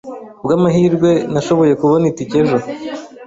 Kubwamahirwe, nashoboye kubona itike ejo.